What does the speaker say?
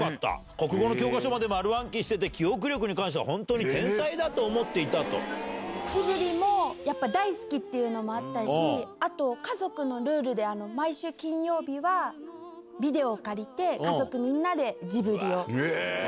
国語の教科書まで丸暗記してて、記憶力に関しては、ジブリも、やっぱり大好きっていうのもあったし、あと家族のルールで、毎週金曜日はビデオを借りて家族みんなでジブリを。